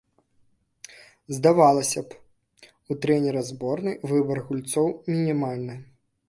Здавалася б, у трэнера зборнай выбар гульцоў мінімальны.